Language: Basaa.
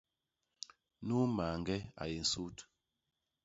Nuu mañge a yé nsut.